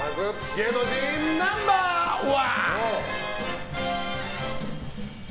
芸能人ナンバー２。